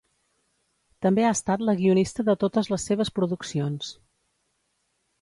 També ha estat la guionista de totes les seves produccions.